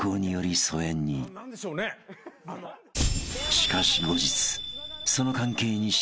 ［しかし後日その］